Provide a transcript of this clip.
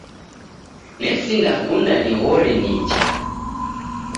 Nesinda kunda nighore nicha